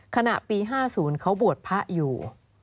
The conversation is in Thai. ขณะปี๕๐เขาบวชพระอยู่